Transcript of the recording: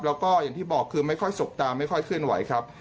แล้วก็อย่างที่บอกคือไม่ค่อยสบตาไม่ค่อยเคลื่อนไหวครับ